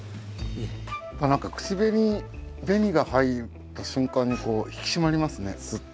何か口紅紅が入った瞬間にこう引き締まりますねすっと。